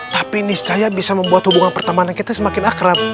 tapi niscaya bisa membuat hubungan pertemanan kita semakin akrab